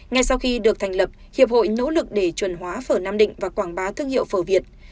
ngay sau khi được thành lập hiệp hội nỗ lực để chuẩn hóa phở nam định và quảng bá thương hiệu phở việt